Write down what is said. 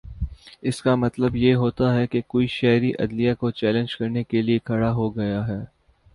اس کا مطلب یہ ہوتا ہے کہ کوئی شہری عدلیہ کو چیلنج کرنے کے لیے کھڑا ہو گیا ہے